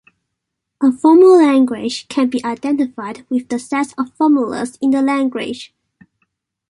A formal language can be identified with the set of formulas in the language.